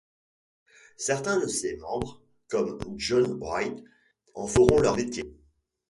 Certains de ces membres, comme John Wright, en feront leur métier.